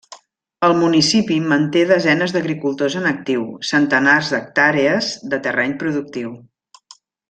El municipi manté desenes d’agricultors en actiu, centenars d’hectàrees de terreny productiu.